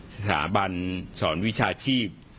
สถาบันสอนวิชาชีพ